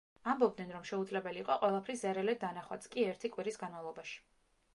ამბობდნენ, რომ შეუძლებელი იყო ყველაფრის ზერელედ დანახვაც კი ერთი კვირის განმავლობაში.